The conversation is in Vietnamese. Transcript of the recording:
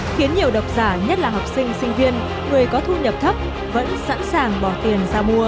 khiến nhiều đọc giả nhất là học sinh sinh viên